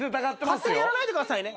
勝手にやらないでくださいね。